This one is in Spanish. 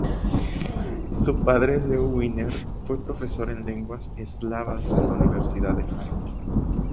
Su padre, Leo Wiener fue profesor en lenguas eslavas en la Universidad de Harvard.